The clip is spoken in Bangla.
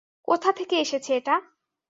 কোথা থেকে এসেছে এটা?